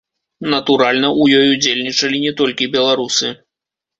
Натуральна, у ёй удзельнічалі не толькі беларусы.